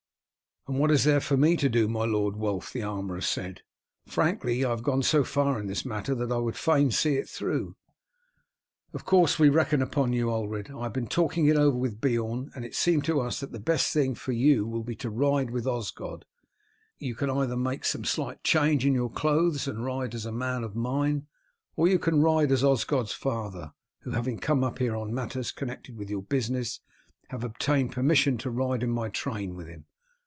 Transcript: "And what is there for me to do, my lord Wulf?" the armourer said. "Frankly, I have gone so far in this matter that I would fain see it through." "Of course we reckon upon you, Ulred. I have been talking it over with Beorn, and it seemed to us that the best thing will be for you to ride with Osgod. You can either make some slight change in your clothes and ride as a man of mine, or you can ride as Osgod's father, who, having come up here on matters connected with your business, have obtained permission to ride in my train with him.